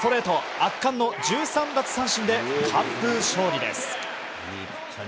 圧巻の１３奪三振で完封勝利です。